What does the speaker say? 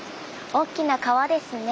大きな川ですね。